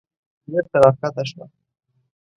بېرته راکښته شوه.